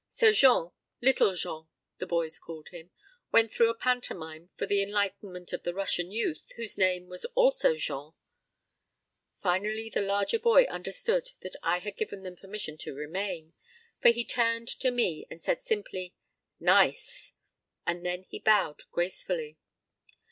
So Jean Little Jean, the boys called him went through a pantomime for the enlightenment of the Russian youth whose name was also Jean. Finally the larger boy understood that I had given them permission to remain, for he turned to me and said simply: "Nice," and then he bowed gracefully.